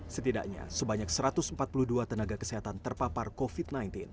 setidaknya sebanyak satu ratus empat puluh dua tenaga kesehatan terpapar covid sembilan belas